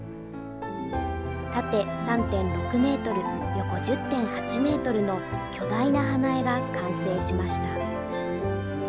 縦３．６メートル、横１０．８メートルの巨大な花絵が完成しました。